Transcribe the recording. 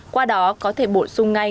qua đó có thể bổ sung ngay